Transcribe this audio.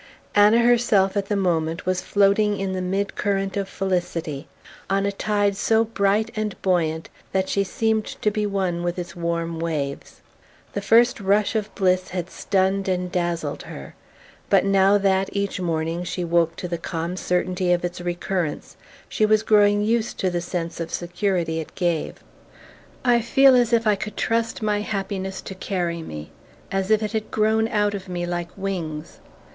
Anna herself, at the moment, was floating in the mid current of felicity, on a tide so bright and buoyant that she seemed to be one with its warm waves. The first rush of bliss had stunned and dazzled her; but now that, each morning, she woke to the calm certainty of its recurrence, she was growing used to the sense of security it gave. "I feel as if I could trust my happiness to carry me; as if it had grown out of me like wings."